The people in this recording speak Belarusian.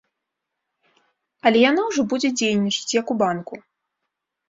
Але яна ўжо будзе дзейнічаць, як у банку.